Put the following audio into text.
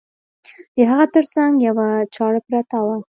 د هغه تر څنګ یوه چاړه پرته وه.